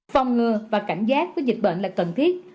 phòng ngừa và cảnh giác với dịch bệnh là cần thiết